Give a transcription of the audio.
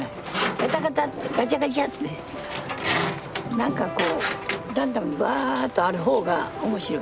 ガタガタっとガチャガチャって何かこうランダムにワーッとある方が面白い。